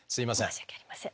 申し訳ありません。